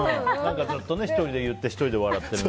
ずっと１人で言って１人で笑ってる。